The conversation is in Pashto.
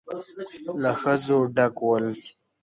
له ښځو ډک ول.